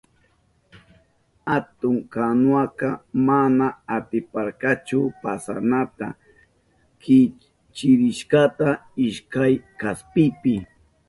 Atun kanuwaka mana atiparkachu pasanata, kichkirishka ishkay kaspipi.